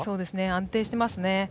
安定していますね。